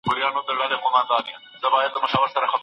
زه کولای سم کتابتون ته ولاړ سم.